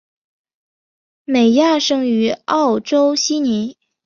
美亚生于澳洲悉尼。